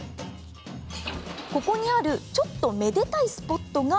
ここにあるちょっとめでたいスポットが。